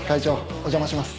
お邪魔します。